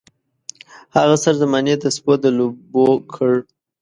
هغه سر زمانې د سپو د لوبو کړ.